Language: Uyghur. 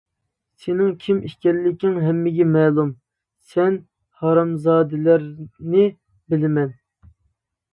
سېنىڭ كىم ئىكەنلىكىڭ ھەممىگە مەلۇم، سەن ھارامزادىلەرنى بىلىمەن.